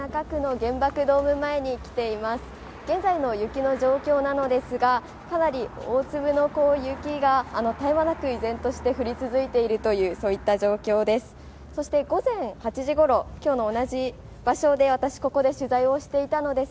現在の雪の状況なのですが、かなり大粒の雪が絶え間なく依然として降り続いている状況です。